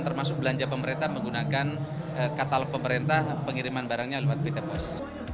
termasuk belanja pemerintah menggunakan katalog pemerintah pengiriman barangnya lewat pt pos